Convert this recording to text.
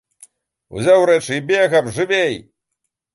Узяў рэчы і бегам, жывей!!!